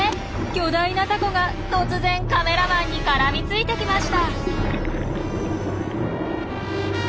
巨大なタコが突然カメラマンに絡みついてきました。